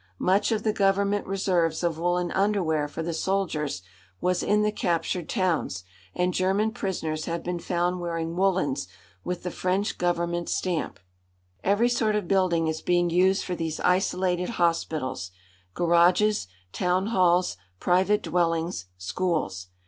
Much of the government reserves of woollen underwear for the soldiers was in the captured towns, and German prisoners have been found wearing woollens with the French Government stamp. Every sort of building is being used for these isolated hospitals garages, town halls, private dwellings, schools.